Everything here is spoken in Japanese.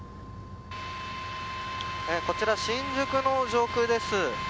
こちら、新宿の上空です。